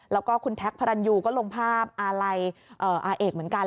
แล้วก็คุณจะลงภาพอาร์ไลย์อาร์เอกเหมือนกัน